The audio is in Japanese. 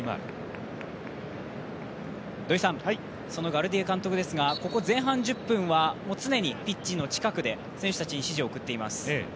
ガルティエ監督ですが、ここ前半１０分は常にピッチの近くで選手たちに指示を送っています。